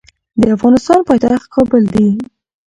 د افغانستان پایتخت کابل دي